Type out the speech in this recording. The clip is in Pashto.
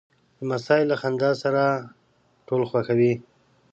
لمسی له خندا سره ټول خوښوي.